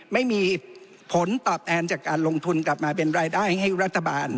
ไม่มีผลตอบแทนจากการลงทุนกลับมาเป็นรายได้ให้รัฐบาล